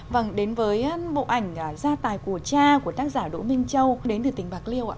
vâng đến với bộ ảnh gia tài của cha của tác giả đỗ minh châu đến từ tỉnh bạc liêu ạ